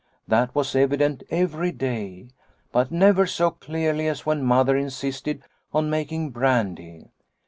That was evident every day, but never so clearly as when Mother insisted on making brandy.